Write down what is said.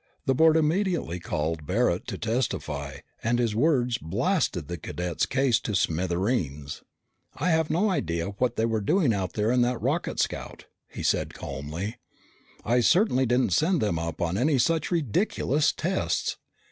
The board immediately called Barret in to testify and his words blasted the cadets' case to smithereens. "... I have no idea what they were doing out in that rocket scout," he stated calmly. "I certainly didn't send them up on any such ridiculous tests.